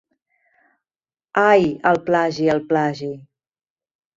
Ai, el plagi el plagi...